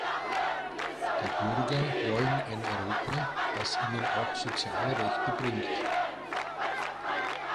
Die Bürger wollen ein Europa, das ihnen auch soziale Rechte bringt.